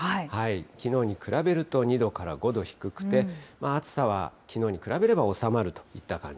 きのうに比べると２度から５度低くて、暑さはきのうに比べれば収まるといった感じ。